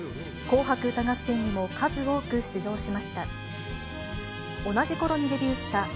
紅白歌合戦にも数多く出場しました。